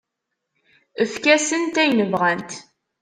Efk-asent ayen bɣant.